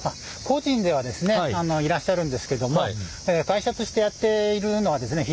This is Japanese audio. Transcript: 個人ではですねいらっしゃるんですけども会社としてやっているのはですね